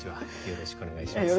よろしくお願いします。